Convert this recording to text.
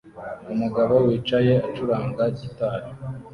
Umugabo wicaye acuranga gitari